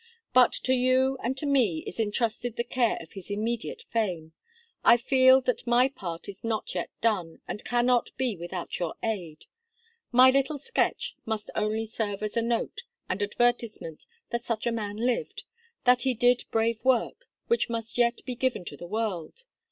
But to you and to me is intrusted the care of his immediate fame. I feel that my part is not yet done, and cannot be without your aid. My little sketch must only serve as a note and advertisement that such a man lived, that he did brave work, which must yet be given to the world.